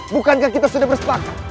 bukankah kita sudah bersepakat